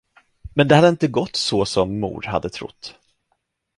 Men det hade inte gått så som mor hade trott.